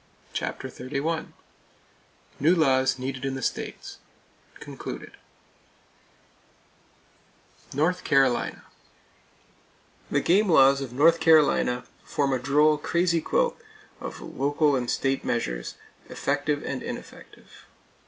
[Page 292] CHAPTER XXXI NEW LAWS NEEDED IN THE STATES (Concluded) North Carolina: The game laws of North Carolina form a droll crazy quilt of local and state measures, effective and ineffective.